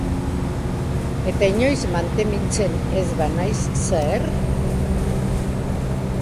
Eta inoiz maitemintzen ez banaiz, zer?